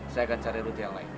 saya akan cari rute yang lain